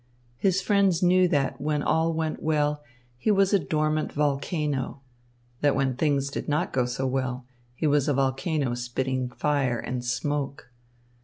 His friends knew that when all went well, he was a dormant volcano; that when things did not go so well, he was a volcano spitting fire and smoke.